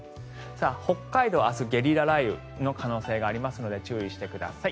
北海道、明日ゲリラ雷雨の可能性があるので注意してください。